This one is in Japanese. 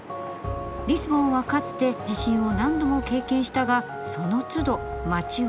リスボンはかつて地震を何度も経験したがそのつど街は再建された」。